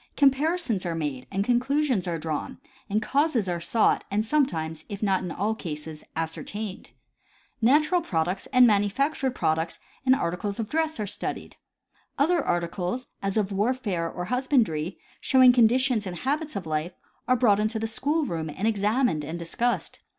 Comparisons are made and conclusions are drawn, and causes are sought and sometimes, if not in all cases, ascertained. Natural products and manu factured products and articles of dress are studied. Other arti cles, as of warfare or husbandry, showing conditions and habits of life, are brought into the school room and examined and discussed.